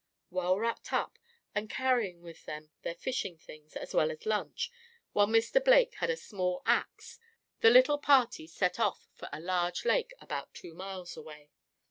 Well wrapped up, and carrying with them their fishing things, as well as lunch, while Mr. Blake had a small axe, the little party set off for a large lake, about two miles away.